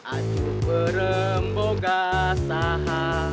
aju berembu gasah